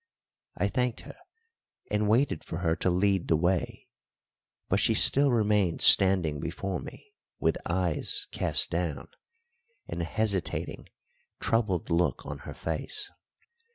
I thanked her, and waited for her to lead the way; but she still remained standing before me with eyes cast down, and a hesitating, troubled look on her face.